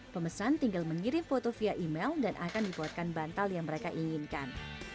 pemesan tinggal mengirim foto via email dan akan dibuatkan bantal yang mereka inginkan